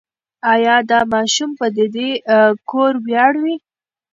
ایا دا ماشوم به د دې کور ویاړ وي؟